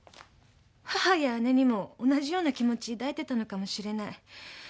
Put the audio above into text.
母や姉にも同じような気持ち抱いてたのかもしれない。